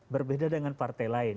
berbeda dengan partai lain